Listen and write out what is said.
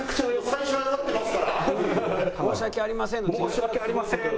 「“申し訳ありません”の次」。